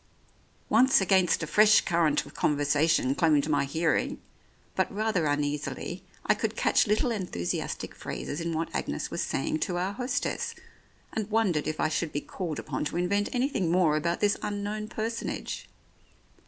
Once against a fresh current of conversation claimed my hearing, but rather uneasily, I could catch little enthusiastic phrases in what Agnes was saying to our hostess, and wondered if I should be called upon to invent anything more about this unknown personage.